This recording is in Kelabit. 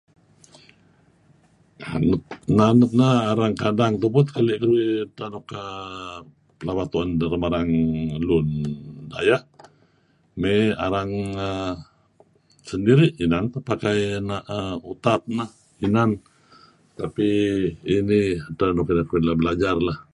naam luk nah, arang kadang tupu tah kalih kaduih, tauh nuk [ka..]laba tuan dah lam lun dayah, may arang [aah]sendirih tinah amay pakai nah [aah]utap nah. Inan tapi[um]idih adtah nuk inan kaduih alah belajar lah...